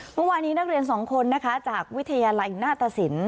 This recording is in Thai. เมื่อวานนี้นักเรียนสองคนนะคะจากวิทยาลัยหน้าตสิน